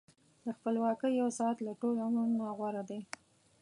د خپلواکۍ یو ساعت له ټول عمر نه غوره دی.